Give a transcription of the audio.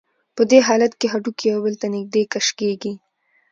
په دې حالت کې هډوکي یو بل ته نږدې کش کېږي.